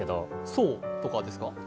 ソウとかですか？